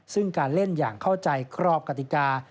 ซึ่งการเล่นอย่างเข้าใจครอบกติกา